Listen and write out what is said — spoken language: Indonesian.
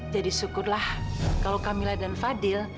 jadi syukurlah kalau kamila dan fadil